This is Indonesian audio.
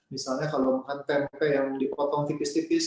misalnya kalau makan tempe yang dipotong tipis tipis